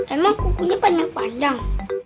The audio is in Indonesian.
emang kukunya panjang panjang